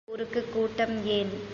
இதைவிட்டு ஊருக்குக் கூட்டம் ஏன்?